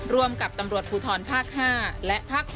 ร่วมกับตำรวจภูทรภาค๕และภาค๖